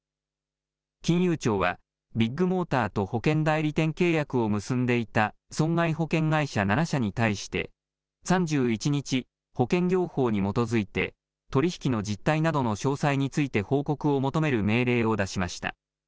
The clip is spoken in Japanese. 金融庁は、ビッグモーターと保険代理店契約を結んでいた損害保険会社７社に対して、３１日、保険業法に基づいて、取り引きの実態などの詳細について報告を求める命令を出しました。